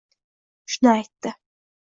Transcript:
Shuni aytdi.